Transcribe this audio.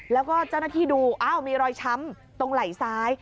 แล้วก็เจ้าหน้าที่ดูอ้าวมีรอยช้ำตรงไหล่ซ้าย